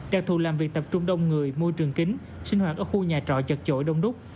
đặc thù làm việc tập trung đông người môi trường kính sinh hoạt ở khu nhà trọ chật chội đông đúc